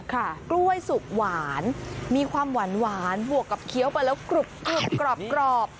กล้วยสุกหวานมีความหวานบวกกับเคี้ยวไปแล้วกรุบกรอบ